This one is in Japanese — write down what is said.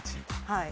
はい。